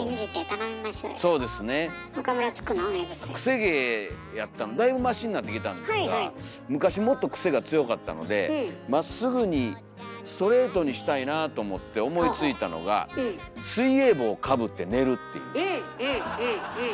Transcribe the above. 癖毛やったのだいぶましになってきたんですが昔もっと癖が強かったのでまっすぐにストレートにしたいなと思って思いついたのがうんうんうんうん。